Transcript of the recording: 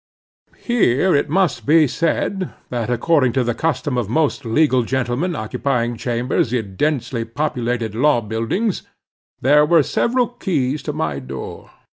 Here it must be said, that according to the custom of most legal gentlemen occupying chambers in densely populated law buildings, there were several keys to my door.